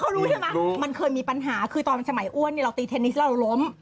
เขารู้ใช่ไหมมันเคยมีปัญหาคือตอนสมัยอ้วนเนี่ยเราตีเทนนิสแล้วเราล้ม